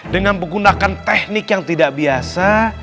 dengan menggunakan teknik yang tidak biasa